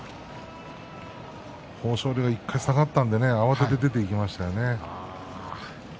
豊昇龍が１回下がったので慌てて出ていきましたね。